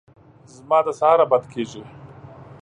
زما د سهاره بد کېږي !